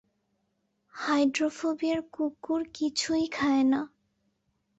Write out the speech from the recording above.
হাইড্রোফোবিয়ার কুকুর কিছুই খায় না।